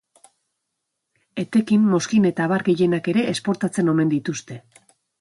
Etekin, mozkin eta abar gehienak ere, esportatzen omen dituzte.